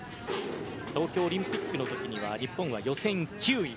東京オリンピックの時には日本は予選９位。